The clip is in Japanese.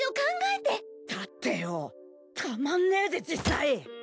だってよたまんねえぜ実際！